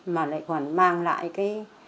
mà lại còn mang lại cái